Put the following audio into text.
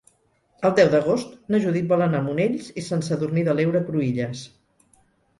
El deu d'agost na Judit vol anar a Monells i Sant Sadurní de l'Heura Cruïlles.